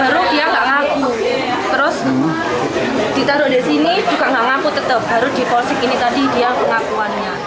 terus ditaruh di sini juga nggak ngaku tetap baru di polsek ini tadi dia pengakuannya